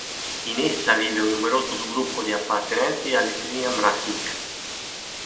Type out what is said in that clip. In essa vive un numeroso gruppo di appartenenti alla etnia M'razig.